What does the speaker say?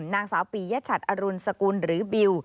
นางสาวปียชัดอรุณสกุลหรือบิว